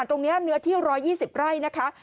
ตรงนี้เนื้อที่๑๒๐ไร่นะคะ